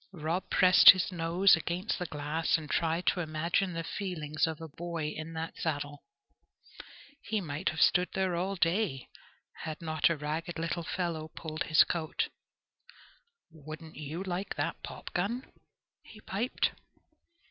Rob pressed his nose against the glass, and tried to imagine the feelings of a boy in that saddle. He might have stood there all day, had not a ragged little fellow pulled his coat. "Wouldn't you like that popgun?" he piped.